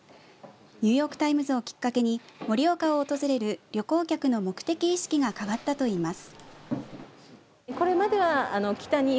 ニューヨーク・タイムズをきっかけに盛岡を訪れる旅行客の目的意識が変わったといいます。